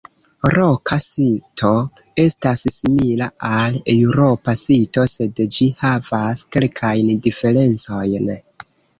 Roka sito estas simila al eŭropa sito sed ĝi havas kelkajn diferencojn.